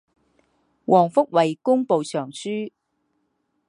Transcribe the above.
黄福为工部尚书。